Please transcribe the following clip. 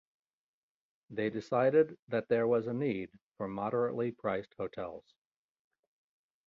They decided that there was a need for moderately priced hotels.